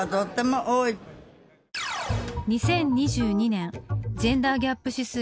２０２２年ジェンダーギャップ指数